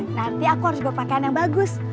nanti aku harus juga pakaian yang bagus